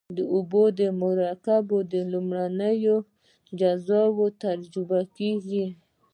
د اوبو مرکب په لومړنیو اجزاوو تجزیه کیږي.